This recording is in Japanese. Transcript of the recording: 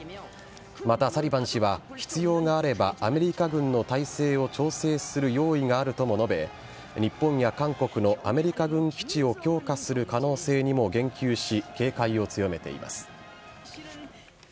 また、サリバン氏は必要があればアメリカ軍の態勢を調整する用意があるとも述べ日本や韓国のアメリカ軍基地を強化する可能性にも言及し警戒を強めています。